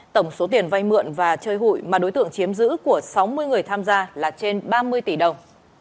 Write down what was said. tổng số tiền vay mượn và chơi hụi mà đối tượng chiếm giữ của sáu mươi người tham gia là trên ba mươi tỷ đồng